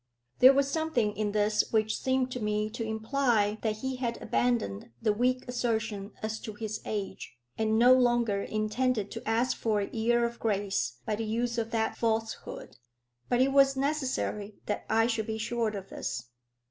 There was something in this which seemed to me to imply that he had abandoned the weak assertion as to his age, and no longer intended to ask for a year of grace by the use of that falsehood. But it was necessary that I should be sure of this.